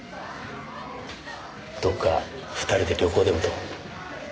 どっか２人で旅行でもどう？